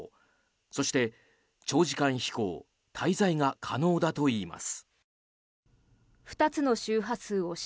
そして、長時間飛行、滞在が可能だといいます。